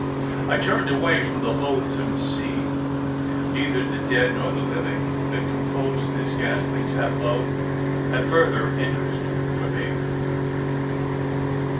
I turned away from the loathsome scene. Neither the dead nor the living, that composed this ghastly tableau, had further interest for me.